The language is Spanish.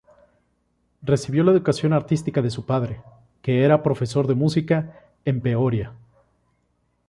Recibió la educación artística de su padre, que era profesor de música, en Peoria.